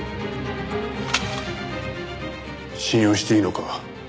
信用していいのか？